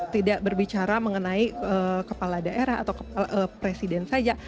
tidak berbicara mengenai kepala daerah atau presiden saja